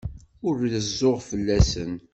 Ur rezzuɣ fell-asent.